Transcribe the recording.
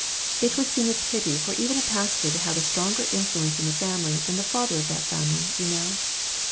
It would seem a pity for even a pastor to have a stronger influence in the family than the father of that family, you know.